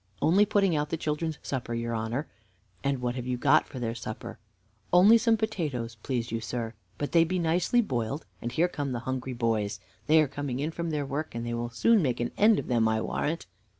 "Only putting out the children's supper, your honor." "And what have you got for their supper?" "Only some potatoes, please you, sir; but they be nicely boiled, and here come the hungry boys! They are coming in from their work, and they will soon make an end of them, I warrant."